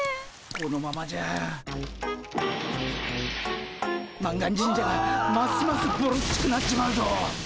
このままじゃ満願神社がますますぼろっちくなっちまうぞ。